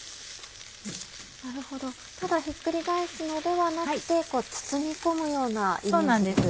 なるほどただひっくり返すのではなくて包み込むようなイメージですね。